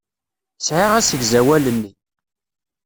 Sɛiɣ asegzawal-nni.